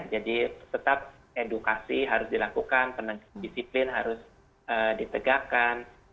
jadi tetap edukasi harus dilakukan penegak disiplin harus ditegakkan